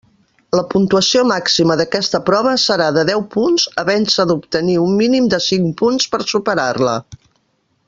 La puntuació màxima d'aquesta prova serà de deu punts havent-se d'obtenir un mínim de cinc punts per superar-la.